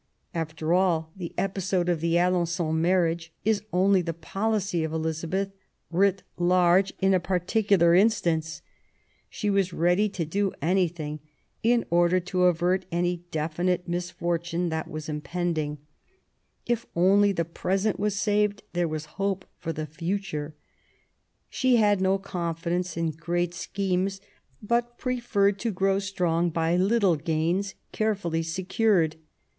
After all, the episode of the Alen9on marriage is only the policy of Elizabeth, writ large in a particular instance. She was ready to do anything in order to avert any definite misfortune that was impending. THE ALENgON MARRIAGE. 183 If only the present was saved, there was hope for the future. She had no confidence in great schemes, but preferred to grow strong by little gains carefully secured.